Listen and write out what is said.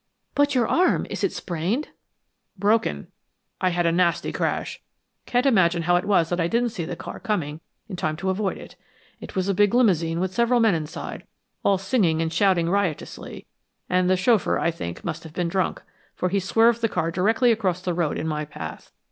"But your arm is it sprained?" "Broken. I had a nasty crash can't imagine how it was that I didn't see the car coming in time to avoid it. It was a big limousine with several men inside, all singing and shouting riotously, and the chauffeur, I think, must have been drunk, for he swerved the car directly across the road in my path.